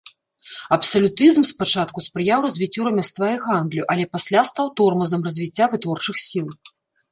Абсалютызм спачатку спрыяў развіццю рамяства і гандлю, але пасля стаў тормазам развіцця вытворчых сіл.